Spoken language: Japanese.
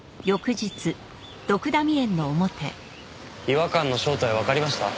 違和感の正体わかりました？